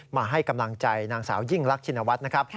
มาให้กำลังใจนางสาวยิ่งลักษณวร์ชินวัตรนะครับ